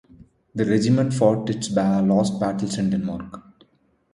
The regiment fought its last battles in Denmark.